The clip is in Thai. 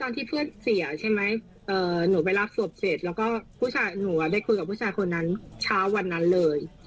ที่เพื่อนเสียใช่ไหมหนูไปรับศพเสร็จแล้วก็ผู้ชายหนูได้คุยกับผู้ชายคนนั้นเช้าวันนั้นเลย